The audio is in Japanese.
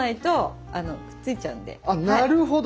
あなるほど。